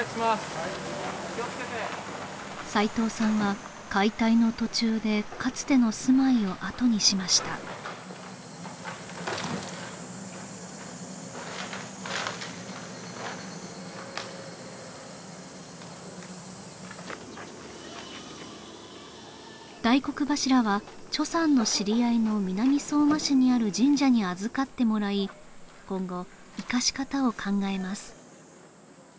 はい気をつけて齊藤さんは解体の途中でかつての住まいをあとにしました大黒柱はさんの知り合いの南相馬市にある神社に預かってもらい今後生かし方を考えます